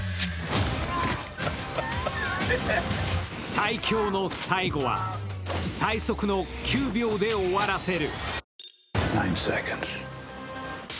最強の最後は最速の９秒で終わらせる。